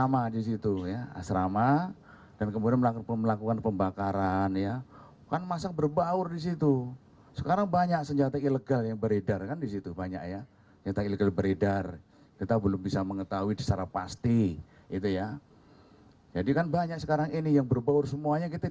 menggunakan peluru tajam